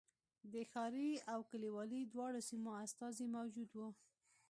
د ښاري او کلیوالي دواړو سیمو استازي موجود و.